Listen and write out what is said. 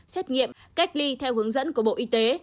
xét nghiệm cách ly theo hướng dẫn của bộ y tế